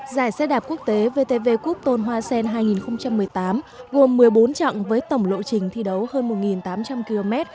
giải xe đạp quốc tế vtv cup tôn hoa sen hai nghìn một mươi tám gồm một mươi bốn chặng với tổng lộ trình thi đấu hơn một tám trăm linh km